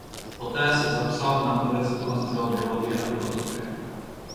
Poté se zapsal na univerzitu a studoval biologii a filozofii.